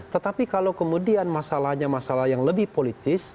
tetapi kalau kemudian masalahnya masalah yang lebih politis